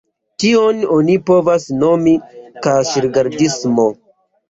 Tion oni povas nomi "kaŝ-rigardismo".